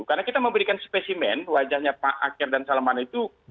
karena kita memberikan spesimen wajahnya pak akyar dan salman itu